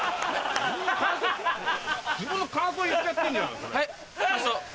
自分の感想言っちゃってんじゃん。